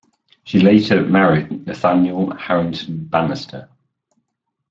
She later married Nathaniel Harrington Bannister.